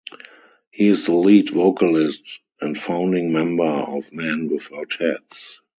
He is the lead vocalist and founding member of Men Without Hats.